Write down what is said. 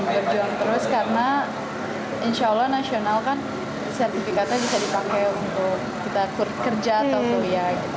berjuang terus karena insya allah nasional kan sertifikatnya bisa dipakai untuk kita kerja atau kuliah gitu